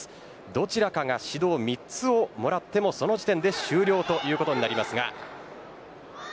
どちらかが指導３つをもらってもその時点で終了ということになります。